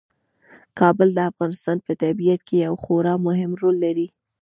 کابل د افغانستان په طبیعت کې یو خورا مهم رول لري.